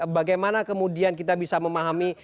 bagaimana kemudian kita bisa memahami